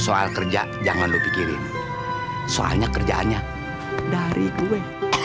soal kerja jangan lu pikirin soalnya kerjaannya dari gue